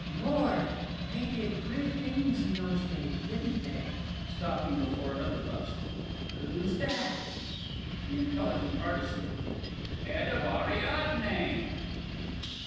Lor! They did queer things in those days, didn't they? (Stopping before another bust.) Who's that? THE I. A. 'Ed of Ariadne.